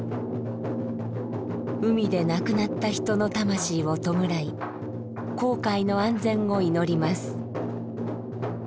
海で亡くなった人の魂を弔い航海の安全を祈ります。